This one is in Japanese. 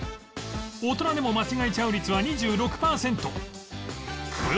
大人でも間違えちゃう率は２６パーセント